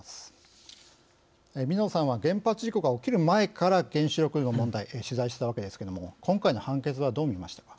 水野さんは原発事故が起きる前から原子力の問題取材していたわけですけども今回の判決はどう見ましたか。